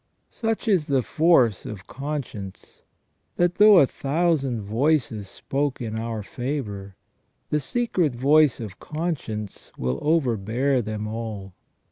Such is the force of conscience, that though a thousand voices spoke in our favour, the secret voice of conscience will overbear them all.